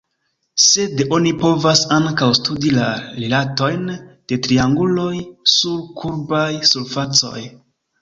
Sed oni povas ankaŭ studi la rilatojn de trianguloj sur kurbaj surfacoj.